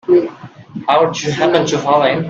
How'd you happen to fall in?